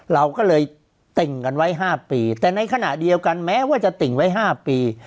เราก็เลยติ่งกันไว้๕ปีแต่ในขณะเดียวกันแม้ว่าจะติ่งไว้๕ปี